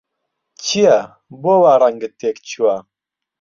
چییە، بۆ وا ڕەنگت تێکچووە؟